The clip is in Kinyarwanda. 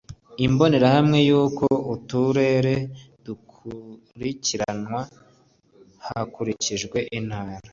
imbonerahamwe y’uko uturere dukurikiranwa hakurikijwe intara